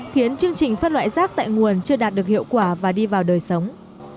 khiến chương trình phân loại rác tại nguồn chưa đạt được hiệu quả và đi vào đời sống